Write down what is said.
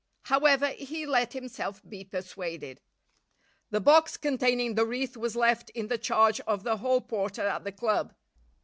However, he let himself be persuaded. The box containing the wreath was left in the charge of the hall porter at the club.